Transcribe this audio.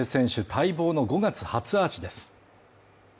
待望の５月初アーチです。